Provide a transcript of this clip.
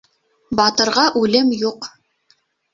Батырға үлем юҡ.